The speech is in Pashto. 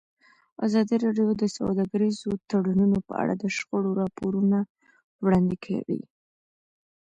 ازادي راډیو د سوداګریز تړونونه په اړه د شخړو راپورونه وړاندې کړي.